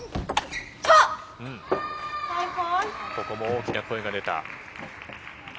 ここも大きな声が出た。